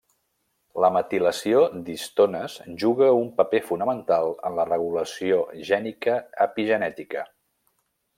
La metilació d'histones juga un paper fonamental en la regulació gènica epigenètica.